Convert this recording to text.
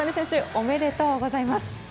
おめでとうございます。